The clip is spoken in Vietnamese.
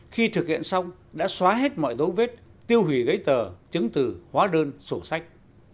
khi thực hiện xong đã xóa hết mọi dấu vết tiêu hủy giấy tờ chứng từ hóa đơn sổ sách